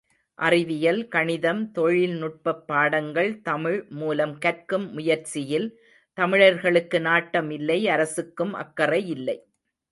அறிவியல், கணிதம், தொழில்நுட்பப் பாடங்கள் தமிழ் மூலம் கற்கும் முயற்சியில் தமிழர்களுக்கு நாட்டம் இல்லை அரசுக்கும் அக்கறை இல்லை.